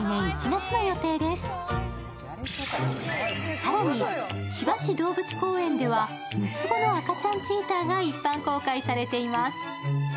更に、千葉市動物公園では６つ子の赤ちゃんチーターが一般公開されています。